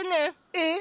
えっ？